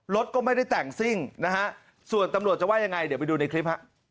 รถก็ไม่ได้แต่งซิ่งนะฮะส่วนตำรวจจะว่ายังไงเดี๋ยวไปดูในคลิปฮะ